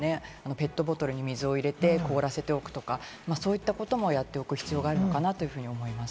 ペットボトルに水を入れて凍らせておくとか、そういったこともやっておく必要があるのかなというふうに思います。